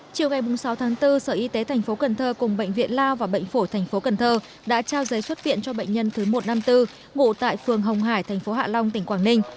chiều ngày sáu tháng bốn sở y tế tp cnh cùng bệnh viện lao và bệnh phổ tp cnh đã trao giấy xuất viện cho bệnh nhân thứ một trăm năm mươi bốn ngủ tại phường hồng hải tp hạ long tỉnh quảng ninh